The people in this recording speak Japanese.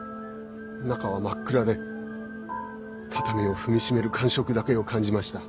中は真っ暗で畳を踏みしめる感触だけを感じました。